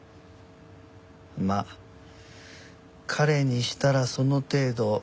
まあ彼にしたらその程度はした金か。